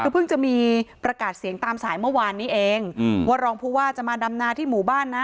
คือเพิ่งจะมีประกาศเสียงตามสายเมื่อวานนี้เองว่ารองผู้ว่าจะมาดำนาที่หมู่บ้านนะ